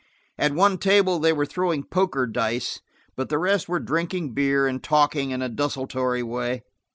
At one table they were throwing poker dice, but the rest were drinking beer and talking in a desultory way.